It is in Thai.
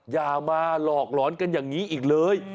อย่ามาหลอกหลอนกันอย่างนี้อีกเลย